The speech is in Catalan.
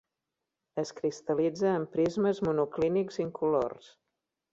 Es cristal·litza en prismes monoclínics incolors.